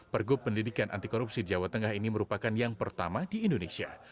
pergub pendidikan anti korupsi jawa tengah ini merupakan yang pertama di indonesia